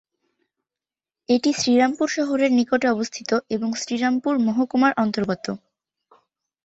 এটি শ্রীরামপুর শহরের নিকটে অবস্থিত এবং শ্রীরামপুর মহকুমার অন্তর্গত।